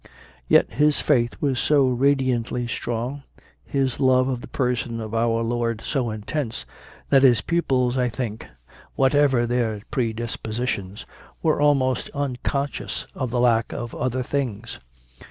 Yet his faith was so radiantly strong, his love of the Person of our Lord so intense, that his pupils, I think, whatever their predispositions, were almost unconscious of the lack of other things.